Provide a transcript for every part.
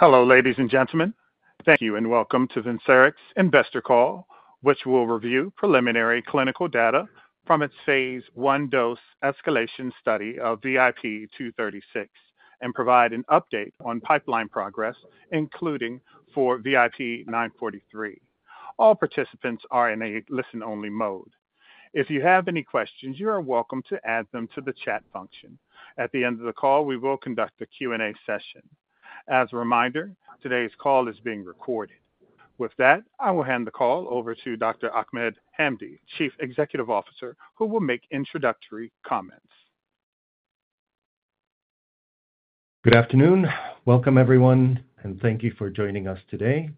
Hello ladies and gentlemen. Thank you and welcome to Vincerx Investor Call, which will review preliminary clinical data from its phase 1 dose escalation study of VIP236 and provide an update on pipeline progress, including for VIP943. All participants are in a listen-only mode. If you have any questions, you are welcome to add them to the chat function. At the end of the call, we will conduct a Q&A session. As a reminder, today's call is being recorded. With that, I will hand the call over to Dr. Ahmed Hamdy, Chief Executive Officer, who will make introductory comments. Good afternoon. Welcome, everyone, and thank you for joining us today.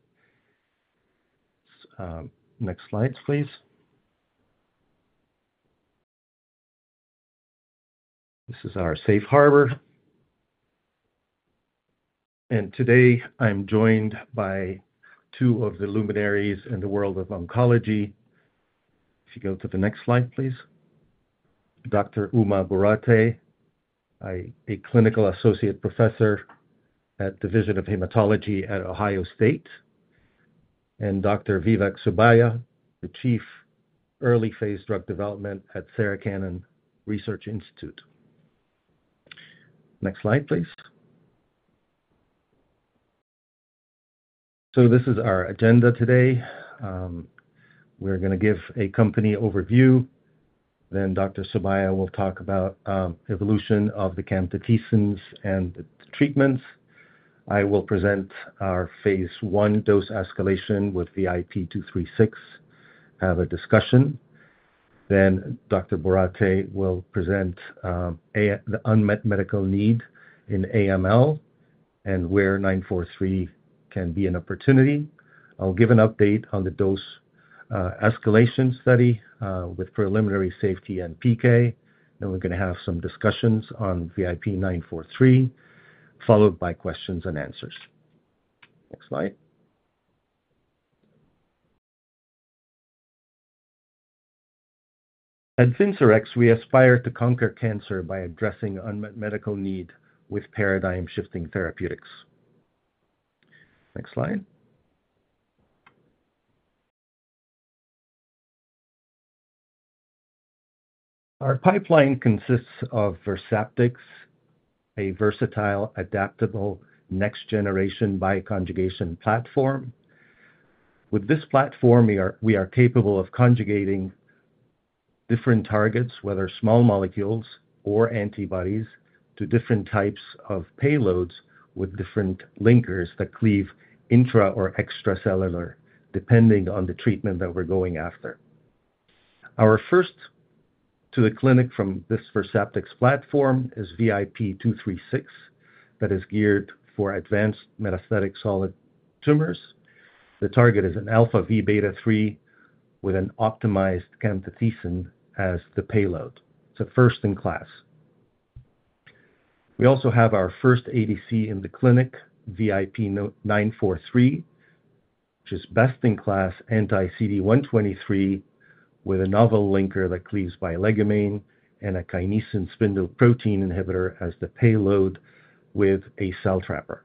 Next slides, please. This is our Safe Harbor. Today I'm joined by two of the luminaries in the world of oncology. If you go to the next slide, please. Dr. Uma Borate, a Clinical Associate Professor at the Division of Hematology at Ohio State. And Dr. Vivek Subbiah, the Chief, Early-Phase Drug Development at Sarah Cannon Research Institute. Next slide, please. This is our agenda today. We're going to give a company overview, then Dr. Subbiah will talk about evolution of the camptothecins and the treatments. I will present our phase 1 dose escalation with VIP236, have a discussion. Then Dr. Borate will present the unmet medical need in AML and where 943 can be an opportunity. I'll give an update on the dose escalation study with preliminary safety and PK, then we're going to have some discussions on VIP943, followed by questions and answers. Next slide. At Vincerx, we aspire to conquer cancer by addressing unmet medical need with paradigm-shifting therapeutics. Next slide. Our pipeline consists of VersAptx, a versatile, adaptable, next-generation bioconjugation platform. With this platform, we are capable of conjugating different targets, whether small molecules or antibodies, to different types of payloads with different linkers that cleave intra- or extracellular, depending on the treatment that we're going after. Our first to the clinic from this VersAptx platform is VIP236 that is geared for advanced metastatic solid tumors. The target is an alpha-v beta-3 with an optimized camptothecin as the payload. It's a first-in-class. We also have our first ADC in the clinic, VIP943, which is best-in-class anti-CD123 with a novel linker that cleaves legumain and a kinesin spindle protein inhibitor as the payload with a CellTrapper.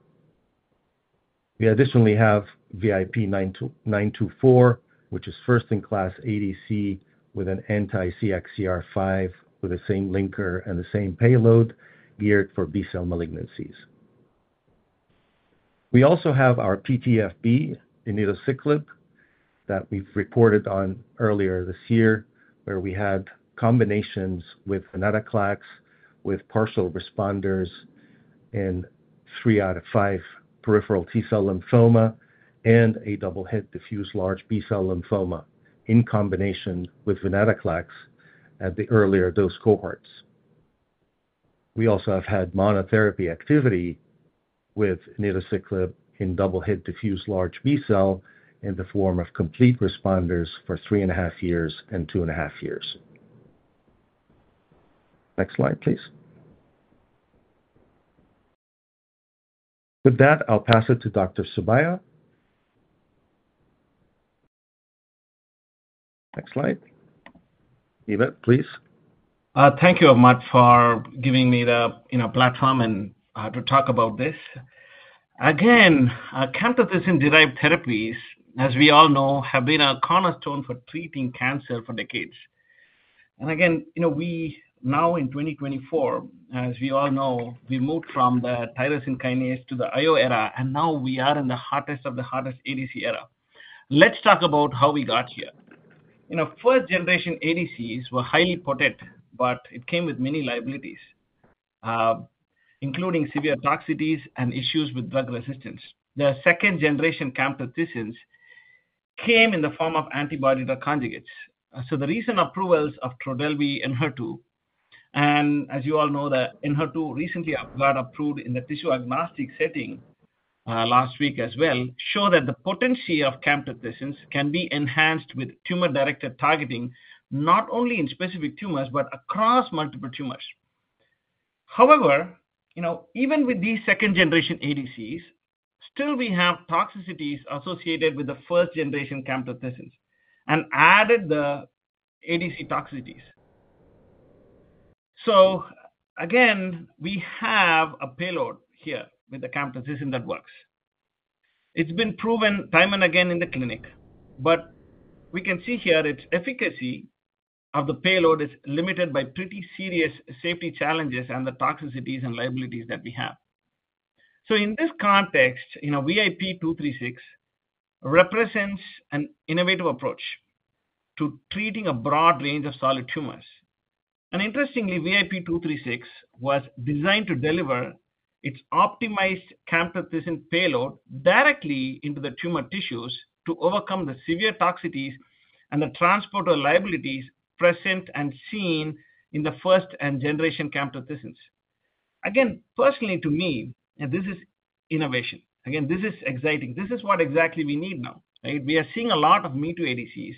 We additionally have VIP924, which is first-in-class ADC with an anti-CXCR5 with the same linker and the same payload, geared for B-cell malignancies. We also have our P-TEFb enitociclib that we've reported on earlier this year, where we had combinations with venetoclax with partial responders in three out of five peripheral T-cell lymphoma and a double-hit diffuse large B-cell lymphoma in combination with venetoclax at the earlier dose cohorts. We also have had monotherapy activity with enitociclib in double-hit diffuse large B-cell in the form of complete responders for three and a half years and two and a half years. Next slide, please. With that, I'll pass it to Dr. Subbiah. Next slide. Vivek, please. Thank you so much for giving me the platform to talk about this. Again, camptothecin-derived therapies, as we all know, have been a cornerstone for treating cancer for decades. Again, we now, in 2024, as we all know, we moved from the tyrosine kinase to the IO era, and now we are in the hottest of the hottest ADC era. Let's talk about how we got here. First-generation ADCs were highly potent, but it came with many liabilities, including severe toxicities and issues with drug resistance. The second-generation camptothecins came in the form of antibody-derived conjugates. So, the recent approvals of Trodelvy/Enhertu and, as you all know, the Enhertu recently got approved in the tissue agnostic setting last week as well show that the potency of camptothecins can be enhanced with tumor-directed targeting not only in specific tumors but across multiple tumors. However, even with these second-generation ADCs, still we have toxicities associated with the first-generation camptothecins and added the ADC toxicities. So again, we have a payload here with the camptothecin that works. It's been proven time and again in the clinic, but we can see here its efficacy of the payload is limited by pretty serious safety challenges and the toxicities and liabilities that we have. So in this context, VIP236 represents an innovative approach to treating a broad range of solid tumors. And interestingly, VIP236 was designed to deliver its optimized camptothecin payload directly into the tumor tissues to overcome the severe toxicities and the transporter liabilities present and seen in the first-generation camptothecins. Again, personally to me, this is innovation. Again, this is exciting. This is what exactly we need now, right? We are seeing a lot of me-too ADCs.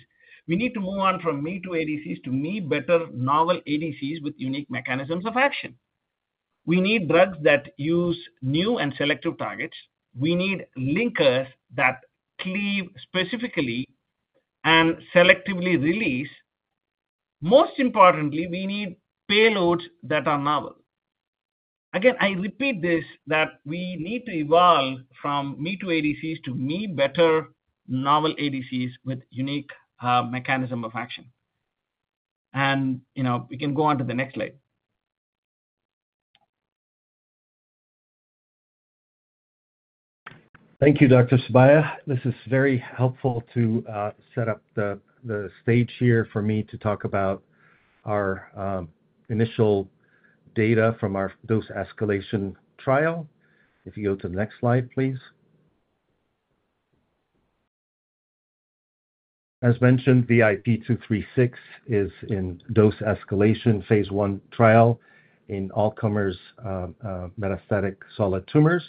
We need to move on from me-too ADCs to Me-better novel ADCs with unique mechanisms of action. We need drugs that use new and selective targets. We need linkers that cleave specifically and selectively release. Most importantly, we need payloads that are novel. Again, I repeat this, that we need to evolve from me-too ADCs to Me-better novel ADCs with unique mechanism of action. We can go on to the next slide. Thank you, Dr. Subbiah. This is very helpful to set up the stage here for me to talk about our initial data from our dose escalation trial. If you go to the next slide, please. As mentioned, VIP236 is in dose escalation phase 1 trial in all-comers metastatic solid tumors.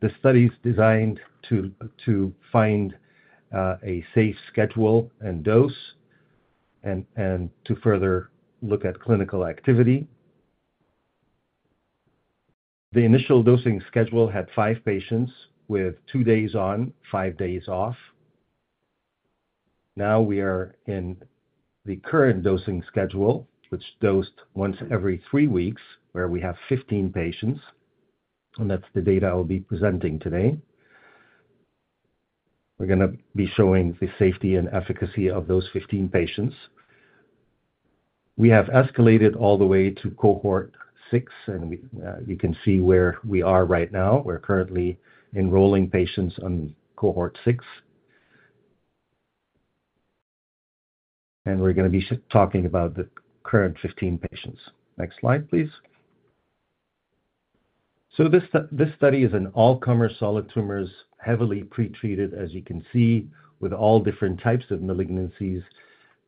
The study is designed to find a safe schedule and dose and to further look at clinical activity. The initial dosing schedule had five patients with two days on, five days off. Now we are in the current dosing schedule, which dosed once every three weeks, where we have 15 patients. And that's the data I'll be presenting today. We're going to be showing the safety and efficacy of those 15 patients. We have escalated all the way to cohort six, and you can see where we are right now. We're currently enrolling patients on cohort six. We're going to be talking about the current 15 patients. Next slide, please. This study is in all-comers solid tumors, heavily pretreated, as you can see, with all different types of malignancies.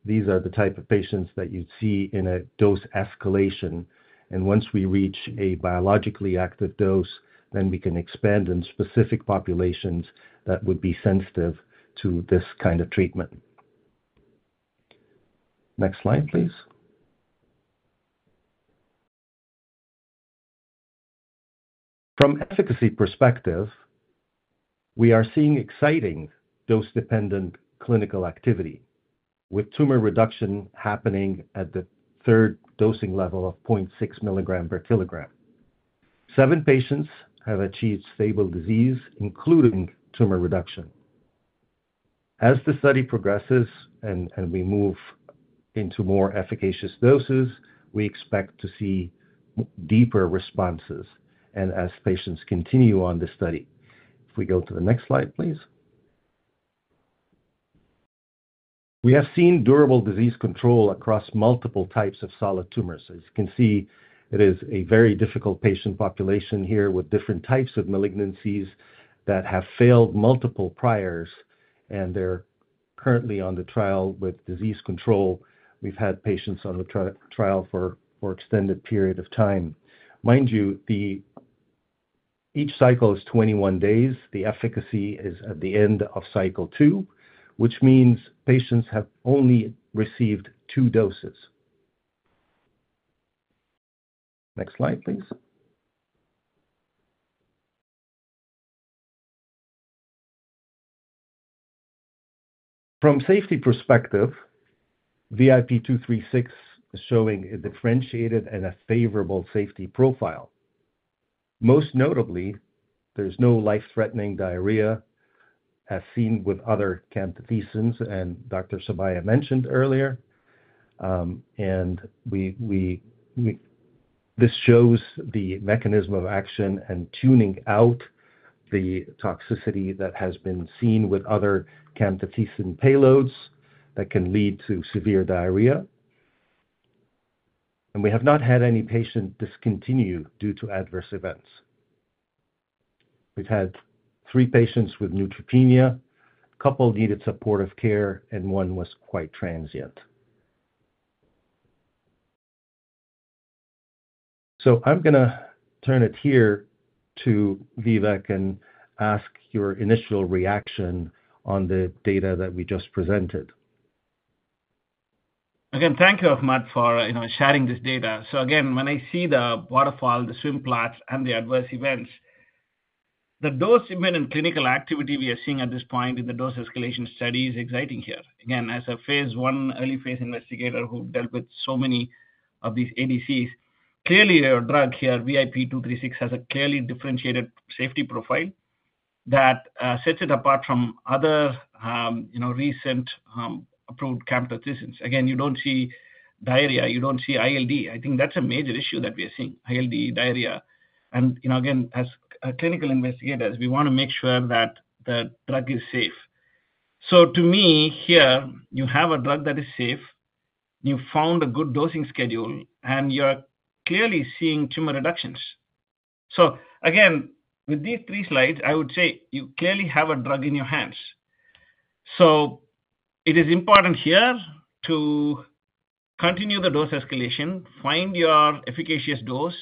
These are the type of patients that you'd see in a dose escalation. Once we reach a biologically active dose, then we can expand in specific populations that would be sensitive to this kind of treatment. Next slide, please. From efficacy perspective, we are seeing exciting dose-dependent clinical activity with tumor reduction happening at the third dosing level of 0.6 milligram per kilogram. 7 patients have achieved stable disease, including tumor reduction. As the study progresses and we move into more efficacious doses, we expect to see deeper responses and as patients continue on the study. If we go to the next slide, please. We have seen durable disease control across multiple types of solid tumors. As you can see, it is a very difficult patient population here with different types of malignancies that have failed multiple priors, and they're currently on the trial with disease control. We've had patients on the trial for an extended period of time. Mind you, each cycle is 21 days. The efficacy is at the end of cycle 2, which means patients have only received 2 doses. Next slide, please. From safety perspective, VIP236 is showing a differentiated and a favorable safety profile. Most notably, there's no life-threatening diarrhea as seen with other camptothecins, and Dr. Subbiah mentioned earlier. And this shows the mechanism of action and tuning out the toxicity that has been seen with other camptothecin payloads that can lead to severe diarrhea. And we have not had any patient discontinue due to adverse events. We've had three patients with neutropenia, a couple needed supportive care, and one was quite transient. So, I'm going to turn it here to Vivek and ask your initial reaction on the data that we just presented. Again, thank you so much for sharing this data. So again, when I see the waterfall, the swim plots, and the adverse events, the dose imminent clinical activity we are seeing at this point in the dose escalation study is exciting here. Again, as a Phase 1 early-phase investigator who dealt with so many of these ADCs, clearly your drug here, VIP236, has a clearly differentiated safety profile that sets it apart from other recent approved camptothecins. Again, you don't see diarrhea. You don't see ILD. I think that's a major issue that we are seeing, ILD, diarrhea. And again, as clinical investigators, we want to make sure that the drug is safe. So, to me here, you have a drug that is safe. You found a good dosing schedule, and you're clearly seeing tumor reductions. So again, with these three slides, I would say you clearly have a drug in your hands. So, it is important here to continue the dose escalation, find your efficacious dose,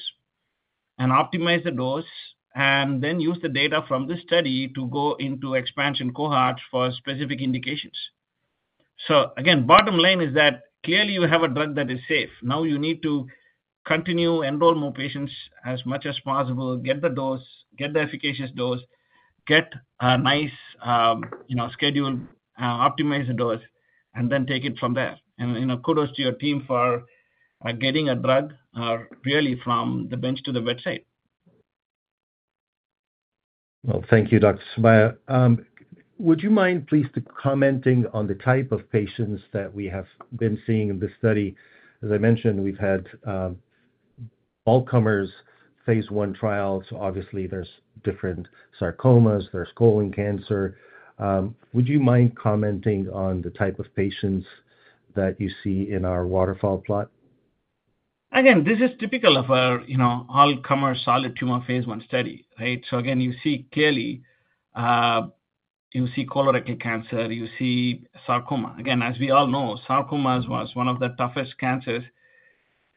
and optimize the dose, and then use the data from this study to go into expansion cohorts for specific indications. So again, bottom line is that clearly you have a drug that is safe. Now you need to continue enroll more patients as much as possible, get the dose, get the efficacious dose, get a nice schedule, optimize the dose, and then take it from there. And kudos to your team for getting a drug really from the bench to the bedside. Well, thank you, Dr. Subbiah. Would you mind, please, commenting on the type of patients that we have been seeing in this study? As I mentioned, we've had all-comers phase 1 trial. So obviously, there's different sarcomas. There's colon cancer. Would you mind commenting on the type of patients that you see in our waterfall plot? Again, this is typical of our all-comers solid tumor phase 1 study, right? So again, you see clearly you see colorectal cancer. You see sarcoma. Again, as we all know, sarcoma was one of the toughest cancers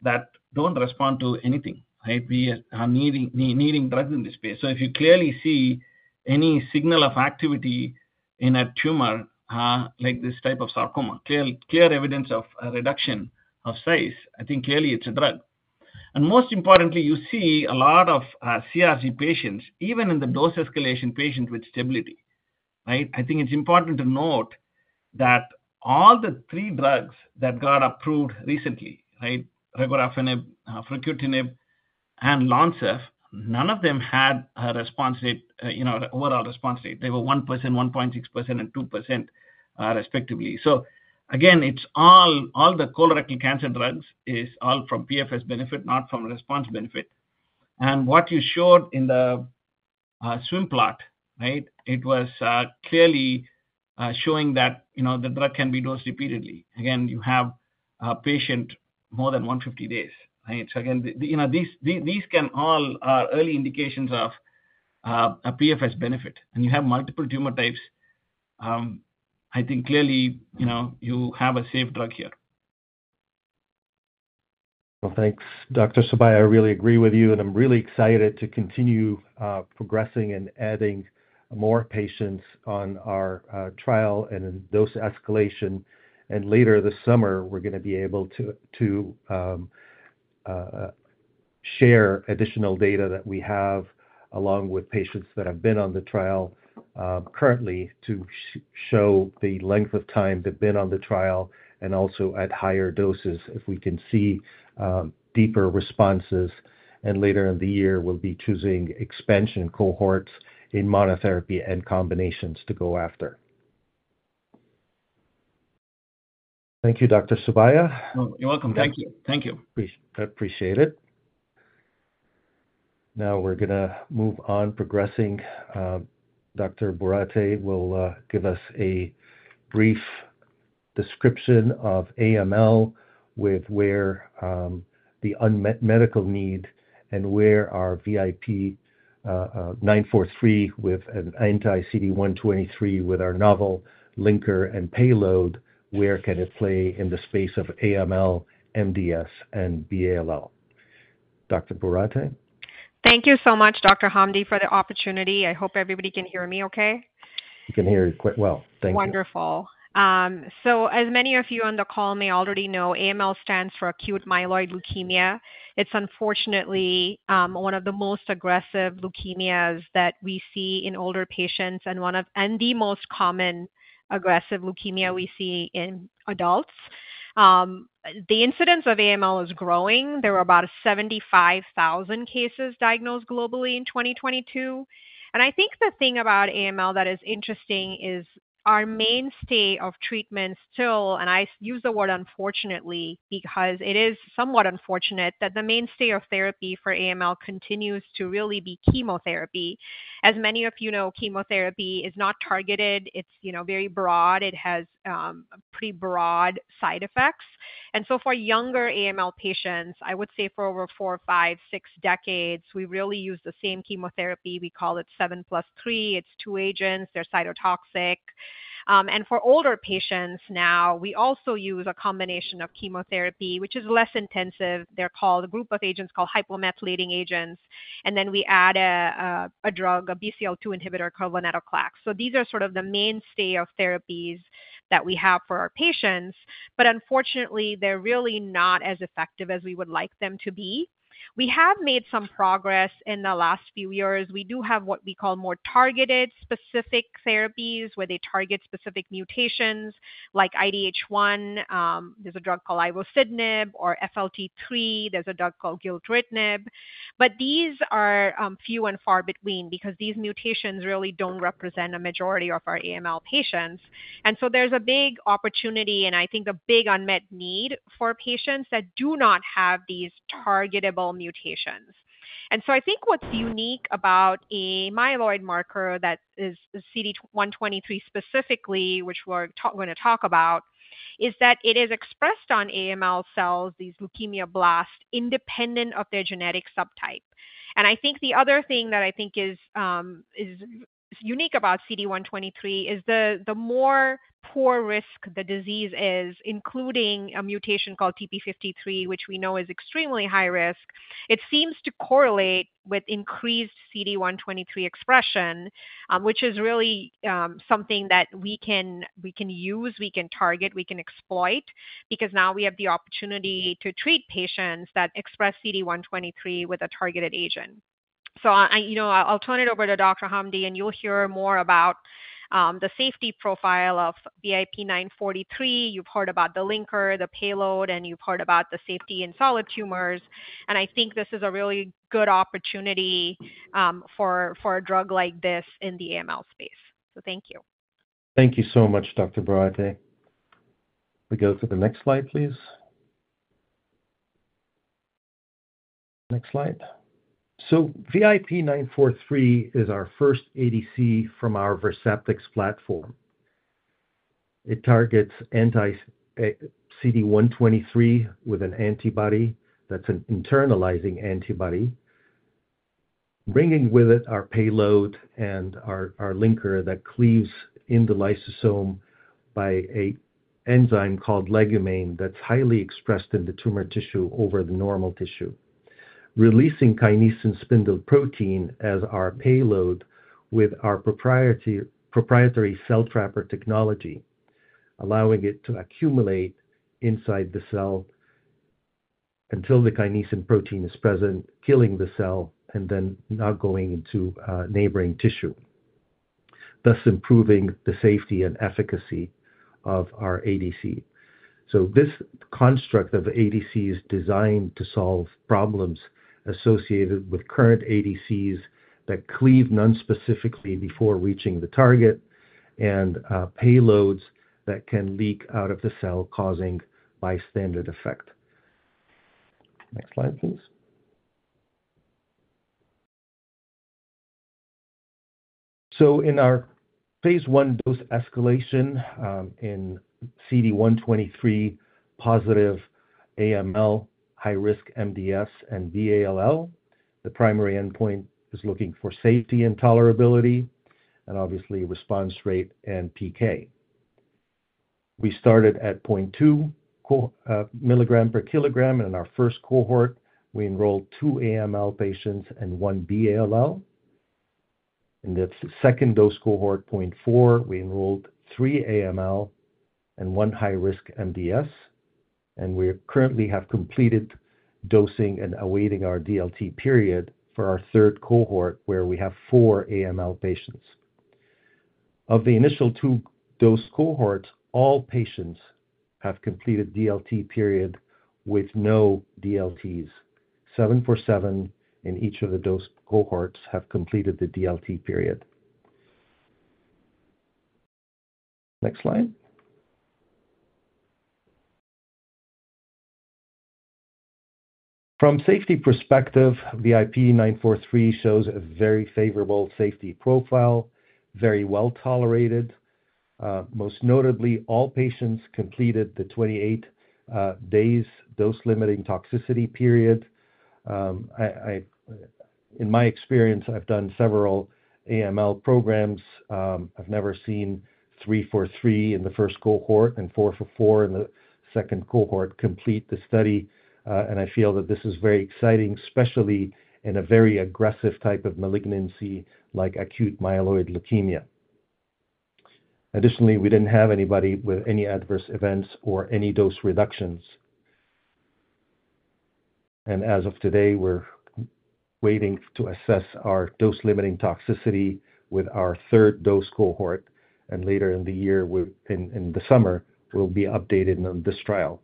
that don't respond to anything, right? We are needing drugs in this space. So, if you clearly see any signal of activity in a tumor like this type of sarcoma, clear evidence of reduction of size, I think clearly it's a drug. And most importantly, you see a lot of CRC patients, even in the dose escalation patients with stability, right? I think it's important to note that all the 3 drugs that got approved recently, right, regorafenib, fruquintinib, and Lonsurf, none of them had an overall response rate. They were 1%, 1.6%, and 2% respectively. So again, all the colorectal cancer drugs are all from PFS benefit, not from response benefit. What you showed in the swimplot, right, it was clearly showing that the drug can be dosed repeatedly. Again, you have a patient more than 150 days, right? So again, these can all be early indications of a PFS benefit. And you have multiple tumor types. I think clearly you have a safe drug here. Well, thanks, Dr. Subbiah. I really agree with you, and I'm really excited to continue progressing and adding more patients on our trial and in dose escalation. Later this summer, we're going to be able to share additional data that we have along with patients that have been on the trial currently to show the length of time they've been on the trial and also at higher doses if we can see deeper responses. Later in the year, we'll be choosing expansion cohorts in monotherapy and combinations to go after. Thank you, Dr. Subbiah. You're welcome. Thank you. Thank you. Appreciate it. Now we're going to move on progressing. Dr. Borate will give us a brief description of AML with where the unmet medical need and where our VIP943 with an anti-CD123 with our novel linker and payload, where can it play in the space of AML, MDS, and B-ALL? Dr. Borate? Thank you so much, Dr. Hamdy, for the opportunity. I hope everybody can hear me okay. You can hear it quite well. Thank you. Wonderful. So, as many of you on the call may already know, AML stands for acute myeloid leukemia. It's unfortunately one of the most aggressive leukemias that we see in older patients and one of the most common aggressive leukemia we see in adults. The incidence of AML is growing. There were about 75,000 cases diagnosed globally in 2022. And I think the thing about AML that is interesting is our mainstay of treatment still and I use the word unfortunately because it is somewhat unfortunate that the mainstay of therapy for AML continues to really be chemotherapy. As many of you know, chemotherapy is not targeted. It's very broad. It has pretty broad side effects. And so for younger AML patients, I would say for over 4, 5, 6 decades, we really use the same chemotherapy. We call it 7+3. It's two agents. They're cytotoxic. For older patients now, we also use a combination of chemotherapy, which is less intensive. They're called a group of agents called hypomethylating agents. Then we add a drug, a BCL-2 inhibitor, venetoclax. So, these are sort of the mainstay of therapies that we have for our patients. But unfortunately, they're really not as effective as we would like them to be. We have made some progress in the last few years. We do have what we call more targeted specific therapies where they target specific mutations like IDH1. There's a drug called ivosidenib or FLT3. There's a drug called gilteritinib. But these are few and far between because these mutations really don't represent a majority of our AML patients. So, there's a big opportunity and I think a big unmet need for patients that do not have these targetable mutations. So, I think what's unique about a myeloid marker that is CD123 specifically, which we're going to talk about, is that it is expressed on AML cells, these leukemia blasts, independent of their genetic subtype. I think the other thing that I think is unique about CD123 is the more poor risk the disease is, including a mutation called TP53, which we know is extremely high risk, it seems to correlate with increased CD123 expression, which is really something that we can use, we can target, we can exploit because now we have the opportunity to treat patients that express CD123 with a targeted agent. I'll turn it over to Dr. Hamdy, and you'll hear more about the safety profile of VIP943. You've heard about the linker, the payload, and you've heard about the safety in solid tumors. I think this is a really good opportunity for a drug like this in the AML space. Thank you. Thank you so much, Dr. Borate. If we go to the next slide, please. Next slide. So, VIP943 is our first ADC from our VersAptx platform. It targets anti-CD123 with an antibody that's an internalizing antibody, bringing with it our payload and our linker that cleaves in the lysosome by an enzyme called legumain that's highly expressed in the tumor tissue over the normal tissue, releasing kinesin spindle protein as our payload with our proprietary CellTrapper technology, allowing it to accumulate inside the cell until the kinesin protein is present, killing the cell, and then not going into neighboring tissue, thus improving the safety and efficacy of our ADC. So, this construct of ADC is designed to solve problems associated with current ADCs that cleave nonspecifically before reaching the target and payloads that can leak out of the cell, causing bystander effect. Next slide, please. So, in our phase 1 dose escalation in CD123-positive AML, high-risk MDS, and B-ALL, the primary endpoint is looking for safety and tolerability and obviously response rate and PK. We started at 0.2 milligram per kilogram. In our first cohort, we enrolled 2 AML patients and 1 B-ALL. In the second dose cohort, 0.4, we enrolled 3 AML and 1 high-risk MDS. And we currently have completed dosing and awaiting our DLT period for our third cohort where we have 4 AML patients. Of the initial 2 dose cohorts, all patients have completed DLT period with no DLTs. 7 for 7 in each of the dose cohorts have completed the DLT period. Next slide. From safety perspective, VIP943 shows a very favorable safety profile, very well tolerated. Most notably, all patients completed the 28-day dose-limiting toxicity period. In my experience, I've done several AML programs. I've never seen 3 for 3 in the first cohort and 4 for 4 in the second cohort complete the study. I feel that this is very exciting, especially in a very aggressive type of malignancy like acute myeloid leukemia. Additionally, we didn't have anybody with any adverse events or any dose reductions. As of today, we're waiting to assess our dose-limiting toxicity with our third dose cohort. Later in the year, in the summer, we'll be updated on this trial.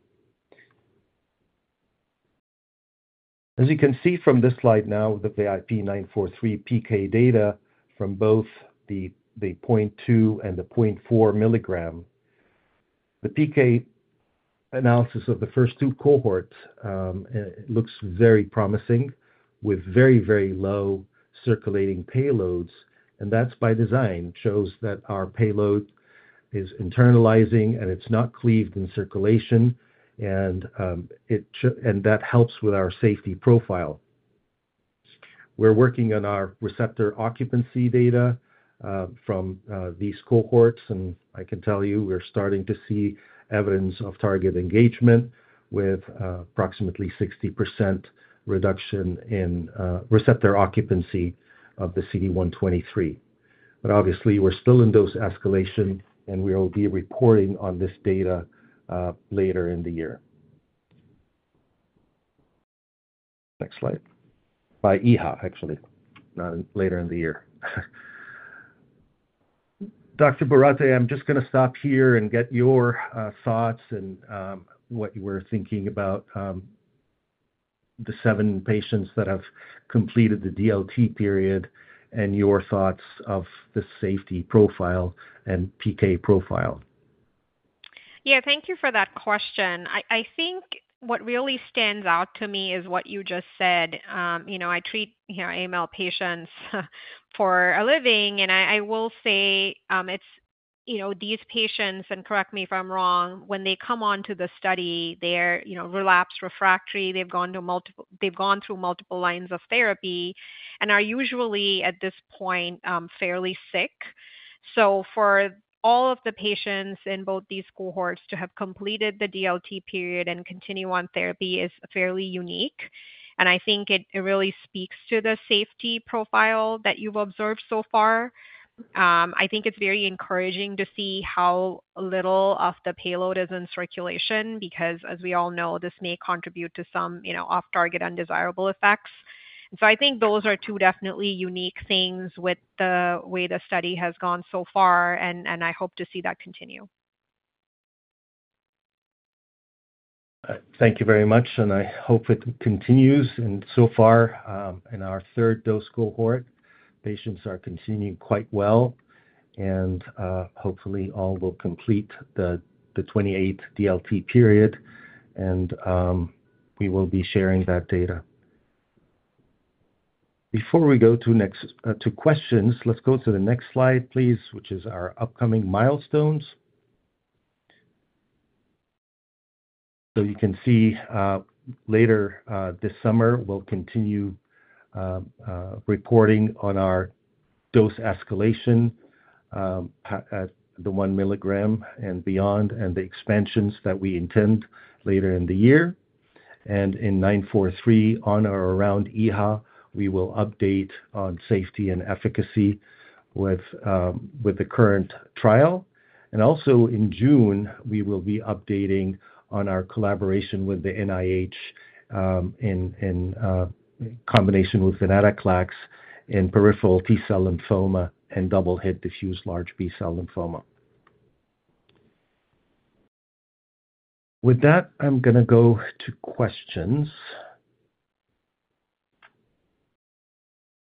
As you can see from this slide now, the VIP943 PK data from both the 0.2 mg and the 0.4 mg, the PK analysis of the first two cohorts looks very promising with very, very low circulating payloads. That's by design shows that our payload is internalizing and it's not cleaved in circulation. That helps with our safety profile. We're working on our receptor occupancy data from these cohorts. And I can tell you we're starting to see evidence of target engagement with approximately 60% reduction in receptor occupancy of the CD123. But obviously, we're still in dose escalation, and we will be reporting on this data later in the year. Next slide. By EHA, actually, not later in the year. Dr. Borate, I'm just going to stop here and get your thoughts and what you were thinking about the seven patients that have completed the DLT period and your thoughts of the safety profile and PK profile. Yeah, thank you for that question. I think what really stands out to me is what you just said. I treat AML patients for a living. And I will say these patients - and correct me if I'm wrong - when they come onto the study, they're relapsed refractory. They've gone through multiple lines of therapy and are usually, at this point, fairly sick. So, for all of the patients in both these cohorts to have completed the DLT period and continue on therapy is fairly unique. And I think it really speaks to the safety profile that you've observed so far. I think it's very encouraging to see how little of the payload is in circulation because, as we all know, this may contribute to some off-target, undesirable effects. And so I think those are two definitely unique things with the way the study has gone so far. I hope to see that continue. Thank you very much. I hope it continues. So far, in our third dose cohort, patients are continuing quite well. Hopefully, all will complete the 28th DLT period. We will be sharing that data. Before we go to questions, let's go to the next slide, please, which is our upcoming milestones. So you can see later this summer, we'll continue reporting on our dose escalation at the 1 milligram and beyond and the expansions that we intend later in the year. In 943 on or around EHA, we will update on safety and efficacy with the current trial. Also in June, we will be updating on our collaboration with the NIH in combination with venetoclax in peripheral T-cell lymphoma and double-hit diffuse large B-cell lymphoma. With that, I'm going to go to questions.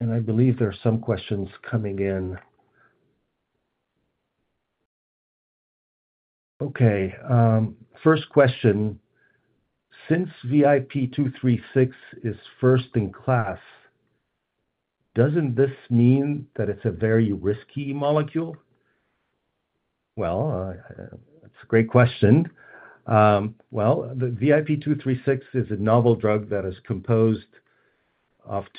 I believe there are some questions coming in. Okay. First question. Since VIP236 is first in class, doesn't this mean that it's a very risky molecule? Well, that's a great question. Well, the VIP236 is a novel drug that is composed of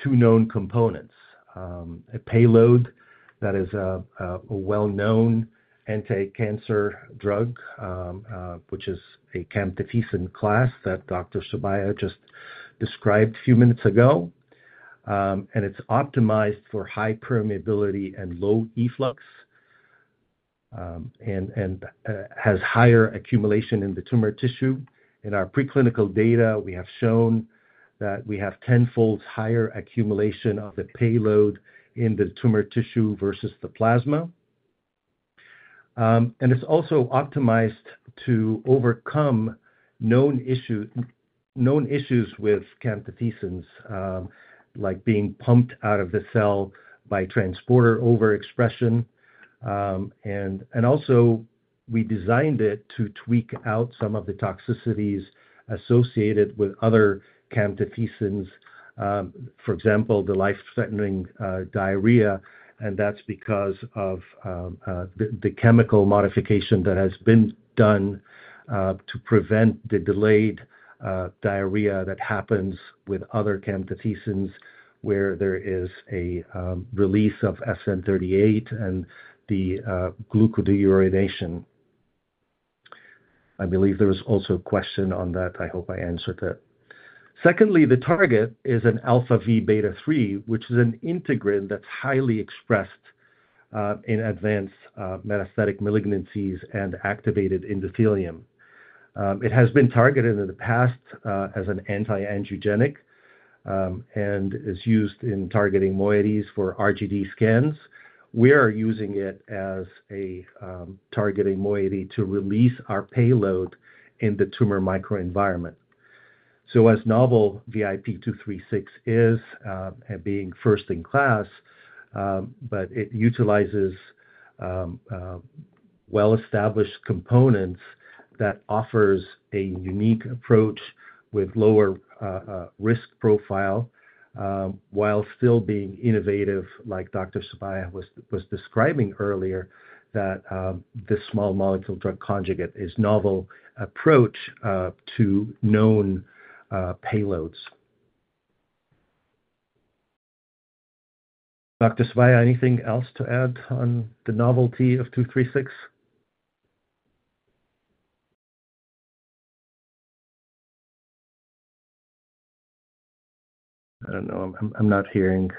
two known components, a payload that is a well-known anti-cancer drug, which is a camptothecin class that Dr. Subbiah just described a few minutes ago. And it's optimized for high permeability and low efflux and has higher accumulation in the tumor tissue. In our preclinical data, we have shown that we have 10-fold higher accumulation of the payload in the tumor tissue versus the plasma. And it's also optimized to overcome known issues with camptothecins, like being pumped out of the cell by transporter overexpression. And also, we designed it to tweak out some of the toxicities associated with other camptothecins, for example, the life-threatening diarrhea. That's because of the chemical modification that has been done to prevent the delayed diarrhea that happens with other camptothecins where there is a release of SN-38 and the glucuronidation. I believe there was also a question on that. I hope I answered it. Secondly, the target is an alpha-v beta-3, which is an integrin that's highly expressed in advanced metastatic malignancies and activated endothelium. It has been targeted in the past as an anti-angiogenic and is used in targeting moieties for RGD scans. We are using it as a targeting moiety to release our payload in the tumor microenvironment. So as novel VIP236 is and being first in class, but it utilizes well-established components that offers a unique approach with lower risk profile while still being innovative, like Dr. Subbiah was describing earlier, that this small molecule drug conjugate is a novel approach to known payloads. Dr. Subbiah, anything else to add on the novelty of 236? I don't know. I'm not hearing.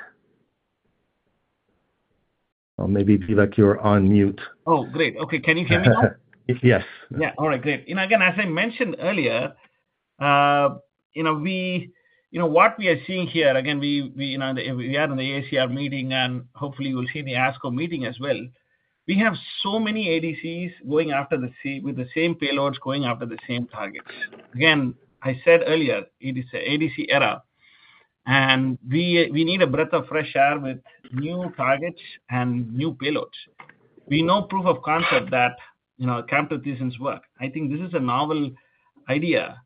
Maybe Vivek, you're on mute. Oh, great. Okay. Can you hear me now? Yes. Yeah. All right. Great. Again, as I mentioned earlier, what we are seeing here again, we are in the AACR meeting, and hopefully, you will see in the ASCO meeting as well. We have so many ADCs with the same payloads going after the same targets. Again, I said earlier, it is an ADC era. We need a breath of fresh air with new targets and new payloads. We know proof of concept that camptothecins work. I think this is a novel idea.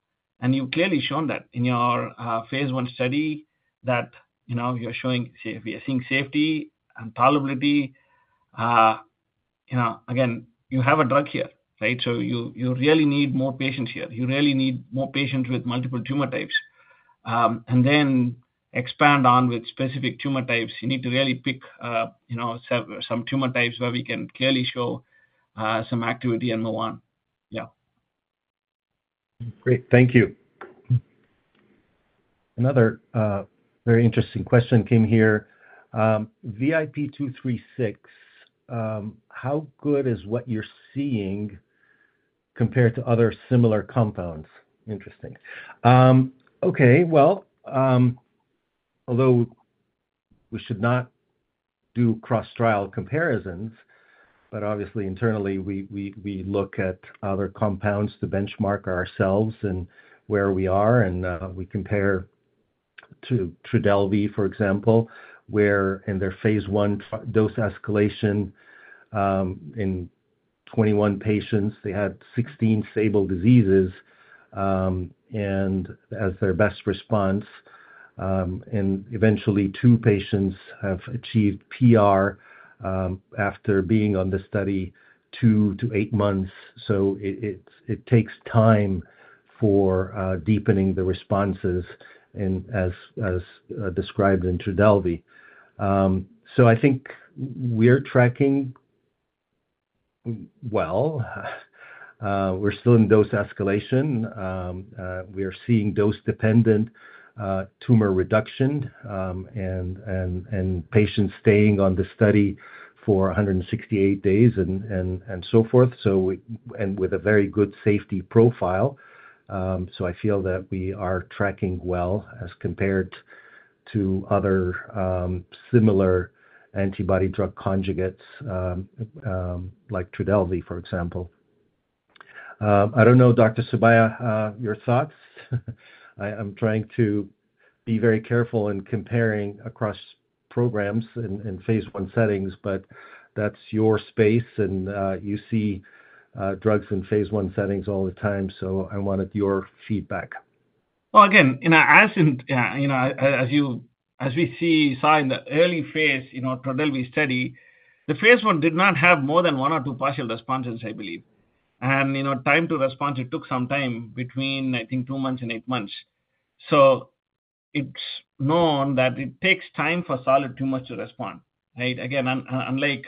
You've clearly shown that in your phase 1 study that you're showing we are seeing safety and tolerability. Again, you have a drug here, right? So, you really need more patients here. You really need more patients with multiple tumor types. Then expand on with specific tumor types. You need to really pick some tumor types where we can clearly show some activity and move on. Yeah. Great. Thank you. Another very interesting question came here. VIP236, how good is what you're seeing compared to other similar compounds? Interesting. Okay. Well, although we should not do cross-trial comparisons, but obviously, internally, we look at other compounds to benchmark ourselves and where we are. And we compare to Trodelvy, for example, where in their phase 1 dose escalation in 21 patients, they had 16 stable diseases as their best response. And eventually, 2 patients have achieved PR after being on this study 2-8 months. So, it takes time for deepening the responses, as described in Trodelvy. So, I think we're tracking well. We're still in dose escalation. We are seeing dose-dependent tumor reduction and patients staying on the study for 168 days and so forth and with a very good safety profile. So I feel that we are tracking well as compared to other similar antibody-drug conjugates like Trodelvy, for example. I don't know, Dr. Subbiah, your thoughts. I'm trying to be very careful in comparing across programs in phase 1 settings. But that's your space. And you see drugs in phase 1 settings all the time. So, I wanted your feedback. Well, again, as we see in early phase Trodelvy study, the phase 1 did not have more than one or two partial responses, I believe. And time to response, it took some time between, I think, two months and eight months. So, it's known that it takes time for solid tumors to respond, right? Again, unlike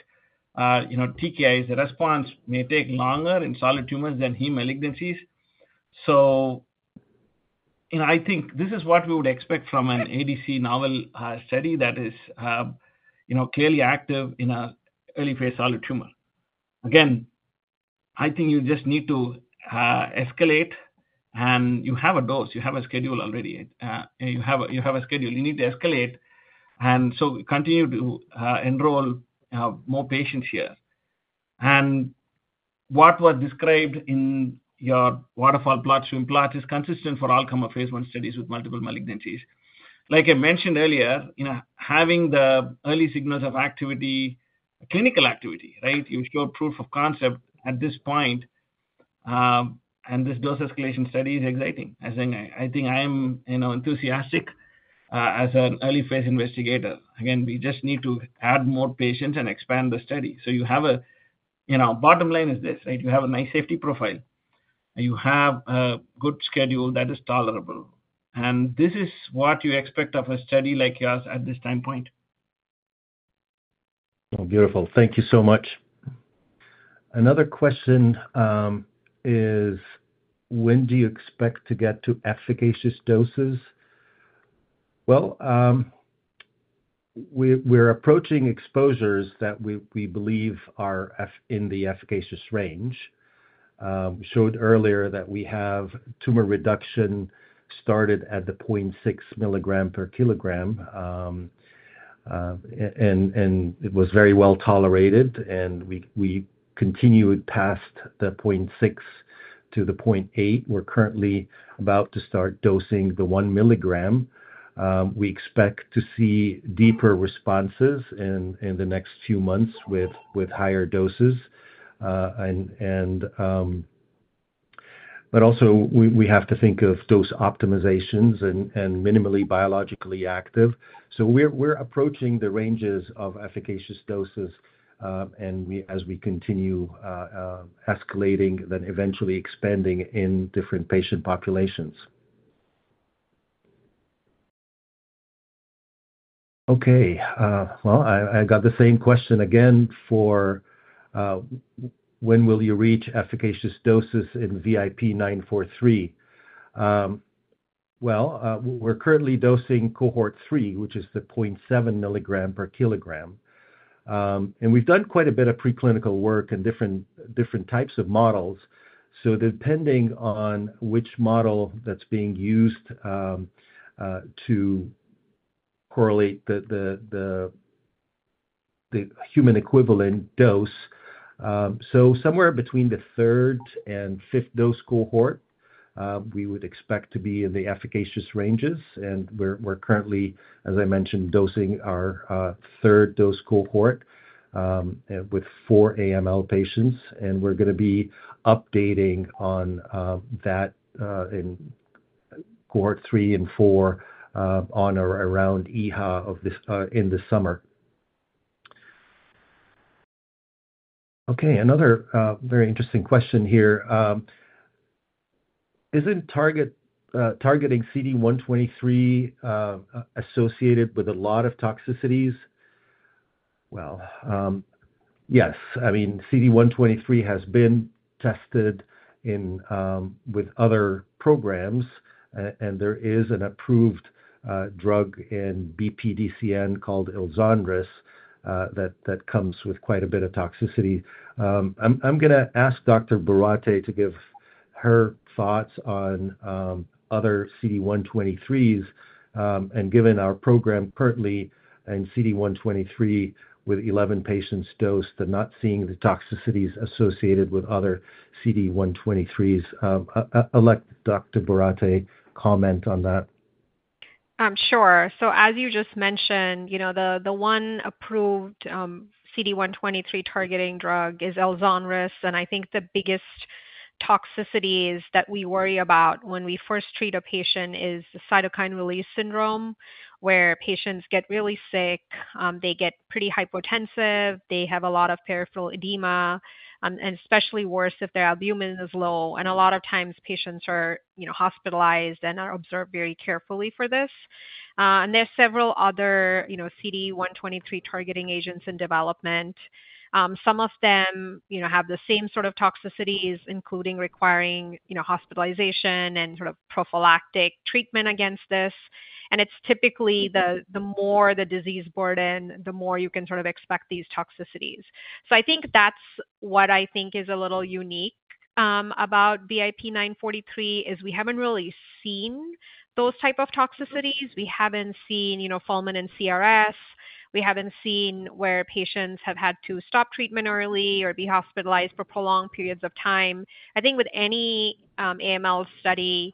TKIs, the response may take longer in solid tumors than hematologic malignancies. So, I think this is what we would expect from an ADC novel study that is clearly active in an early-phase solid tumor. Again, I think you just need to escalate. And you have a dose. You have a schedule already. You have a schedule. You need to escalate and so continue to enroll more patients here. And what was described in your waterfall plots, swim plots, is consistent for all common phase 1 studies with multiple malignancies. Like I mentioned earlier, having the early signals of clinical activity, right? You showed proof of concept at this point. And this dose escalation study is exciting. I think I am enthusiastic as an early-phase investigator. Again, we just need to add more patients and expand the study. So you have a bottom line is this, right? You have a nice safety profile. You have a good schedule that is tolerable. And this is what you expect of a study like yours at this time point. Beautiful. Thank you so much. Another question is, when do you expect to get to efficacious doses? Well, we're approaching exposures that we believe are in the efficacious range. We showed earlier that we have tumor reduction started at the 0.6 milligram per kilogram. It was very well tolerated. We continued past the 0.6 to the 0.8. We're currently about to start dosing the 1 milligram. We expect to see deeper responses in the next few months with higher doses. Also, we have to think of dose optimizations and minimally biologically active. So we're approaching the ranges of efficacious doses as we continue escalating, then eventually expanding in different patient populations. Okay. Well, I got the same question again for when will you reach efficacious doses in VIP943? Well, we're currently dosing cohort 3, which is the 0.7 milligram per kilogram. We've done quite a bit of preclinical work in different types of models. So, depending on which model that's being used to correlate the human equivalent dose, so somewhere between the third and fifth dose cohort, we would expect to be in the efficacious ranges. And we're currently, as I mentioned, dosing our third dose cohort with 4 AML patients. And we're going to be updating on that in cohort 3 and 4 on or around EHA in the summer. Okay. Another very interesting question here. Isn't targeting CD123 associated with a lot of toxicities? Well, yes. I mean, CD123 has been tested with other programs. And there is an approved drug in BPDCN called Elzonris that comes with quite a bit of toxicity. I'm going to ask Dr. Borate to give her thoughts on other CD123s. Given our program currently in CD123 with 11 patients dosed and not seeing the toxicities associated with other CD123s, I'll let Dr. Borate comment on that. Sure. So as you just mentioned, the one approved CD123 targeting drug is Elzonris. And I think the biggest toxicities that we worry about when we first treat a patient is cytokine release syndrome, where patients get really sick. They get pretty hypotensive. They have a lot of peripheral edema, and especially worse if their albumin is low. And a lot of times, patients are hospitalized and are observed very carefully for this. And there's several other CD123 targeting agents in development. Some of them have the same sort of toxicities, including requiring hospitalization and sort of prophylactic treatment against this. And it's typically the more the disease burden, the more you can sort of expect these toxicities. So, I think that's what I think is a little unique about VIP943 is we haven't really seen those types of toxicities. We haven't seen fulminant and CRS. We haven't seen where patients have had to stop treatment early or be hospitalized for prolonged periods of time. I think with any AML study,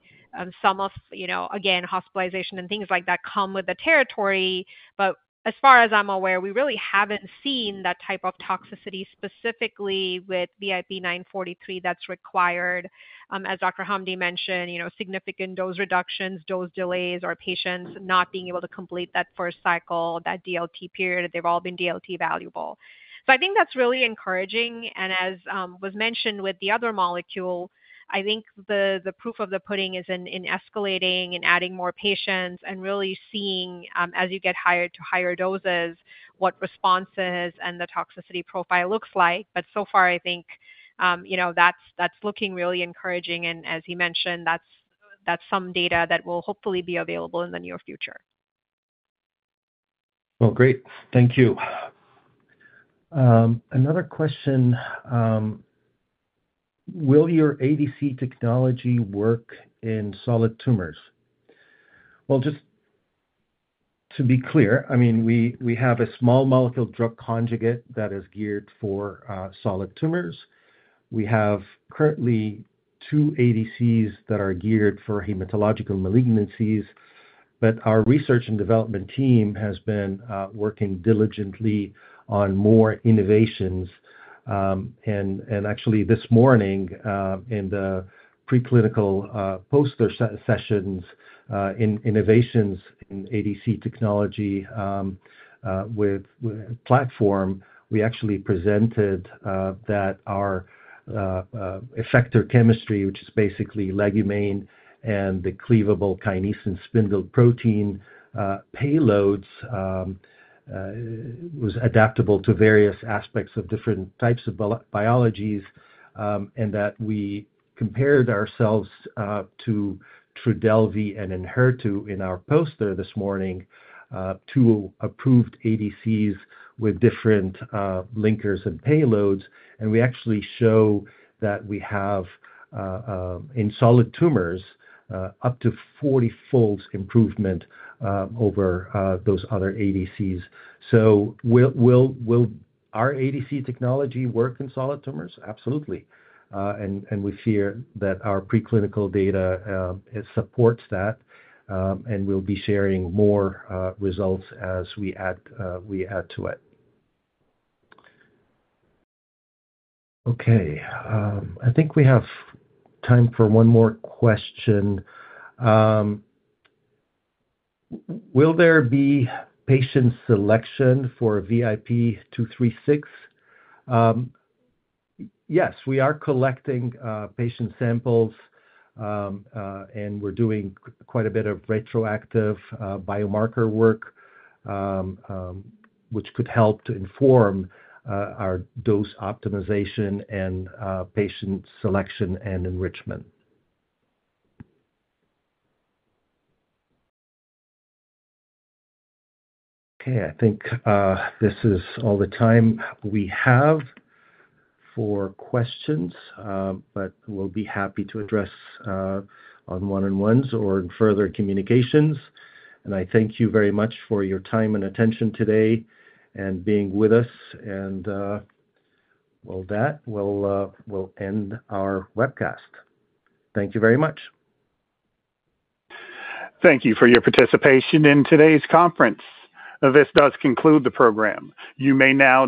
some of, again, hospitalization and things like that come with the territory. But as far as I'm aware, we really haven't seen that type of toxicity specifically with VIP943 that's required. As Dr. Hamdy mentioned, significant dose reductions, dose delays, or patients not being able to complete that first cycle, that DLT period, they've all been DLT-valuable. So, I think that's really encouraging. And as was mentioned with the other molecule, I think the proof of the pudding is in escalating and adding more patients and really seeing, as you get higher to higher doses, what responses and the toxicity profile looks like. But so far, I think that's looking really encouraging. As he mentioned, that's some data that will hopefully be available in the near future. Well, great. Thank you. Another question. Will your ADC technology work in solid tumors? Well, just to be clear, I mean, we have a small molecule drug conjugate that is geared for solid tumors. We have currently two ADCs that are geared for hematological malignancies. But our research and development team has been working diligently on more innovations. And actually, this morning, in the preclinical poster sessions in innovations in ADC technology platform, we actually presented that our effector chemistry, which is basically legumain and the cleavable kinesin spindle protein payloads, was adaptable to various aspects of different types of biologies. And that we compared ourselves to Trodelvy and Enhertu in our poster this morning to approved ADCs with different linkers and payloads. And we actually show that we have, in solid tumors, up to 40-fold improvement over those other ADCs. So, will our ADC technology work in solid tumors? Absolutely. And we fear that our preclinical data supports that. And we'll be sharing more results as we add to it. Okay. I think we have time for one more question. Will there be patient selection for VIP236? Yes, we are collecting patient samples. And we're doing quite a bit of retroactive biomarker work, which could help to inform our dose optimization and patient selection and enrichment. Okay. I think this is all the time we have for questions. But we'll be happy to address on one-on-ones or in further communications. And I thank you very much for your time and attention today and being with us. And with that, we'll end our webcast. Thank you very much. Thank you for your participation in today's conference. This does conclude the program. You may now.